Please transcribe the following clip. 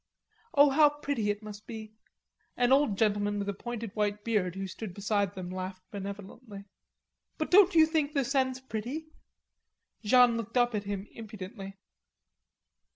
"Oh, how pretty it must be!" An old gentleman with a pointed white beard who stood beside them laughed benevolently. "But don't you think the Seine's pretty?" Jeanne looked up at him impudently.